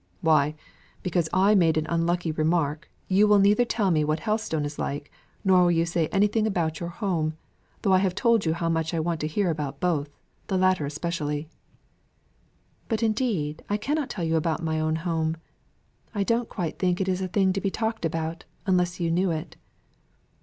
"Why, because I made an unlucky remark, you will neither tell me what Helstone is like, nor will you say anything about your home, though I have told you how much I want to hear about both, the latter especially." "But indeed I cannot tell you about my own home. I don't quite think it is a thing to be talked about, unless you knew it."